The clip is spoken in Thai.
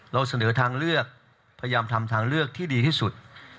เราเสนอทางเลือกพยายามทำทางเลือกที่ดีที่สุด